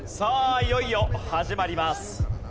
いよいよ始まります。